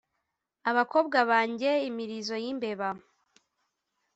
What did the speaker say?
abakobwa banjye imirizo yimbeba